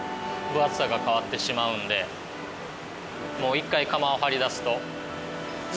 一回釜を張りだすと。